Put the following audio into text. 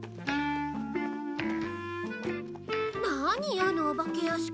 あのお化け屋敷。